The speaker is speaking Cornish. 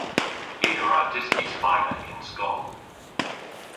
I a wra dyski Spaynek yn skol.